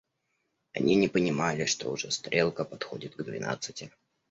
Они не понимали, что уже стрелка подходит к двенадцати.